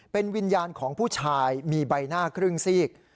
เป็นวิญญาณของผู้ชายมีใบหน้าครึ่งซีก